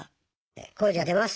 工事が出ます。